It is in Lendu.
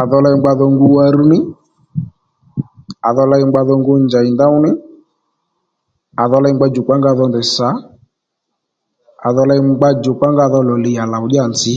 À dho ley ngba dho ngu warrí ní à dho ley ngba dho ngu njày ndów ní à dho ley ngba djòkpa nga dho ndèy sà à dho ley ngba djòkpa nga dho lòliyà lòw ddíya nzǐ